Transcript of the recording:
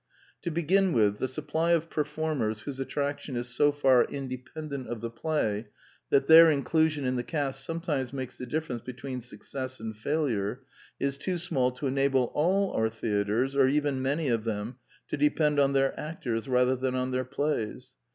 To begin with, the supply of performers whose attraction is so far independent of the play that their inclusion in the cast sometimes makes the difference between success and failure, is too small to enable all our theatres, or even many of them, to depend on their actors rather than on their plays.